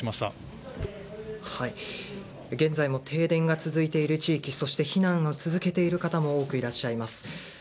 現在も停電が続いている地域そして避難を続けている方も多くいます。